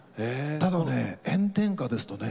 ただね炎天下ですとね